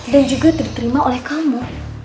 dan juga diterima oleh kamu